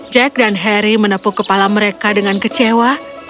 jack dan harry menepuk kepala mereka dengan kecewa